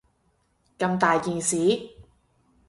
咁大件事